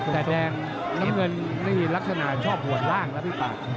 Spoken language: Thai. แต่แดงน้ำเงินนี่ลักษณะชอบบวชล่างนะพี่ปาก